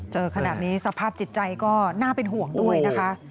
เจอขนาดนี้สภาพจิตใจก็น่าเป็นห่วงด้วยนะคะ